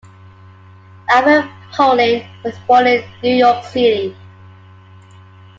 Alfred Poling was born in New York City.